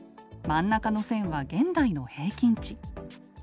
真ん中の線は現代の平均値。